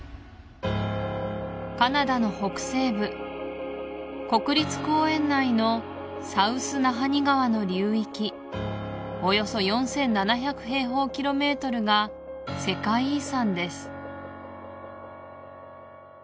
カナダの北西部国立公園内のサウス・ナハニ川の流域およそ４７００平方ｋｍが世界遺産です